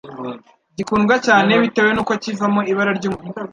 gikundwa cyane bitewe n'uko kivamo ibara ry'umutuku